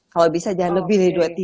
kalau bisa jangan lebih deh dua puluh tiga